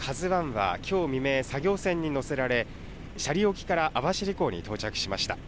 ＫＡＺＵＩは、きょう未明、作業船に載せられ、斜里沖から網走港に到着しました。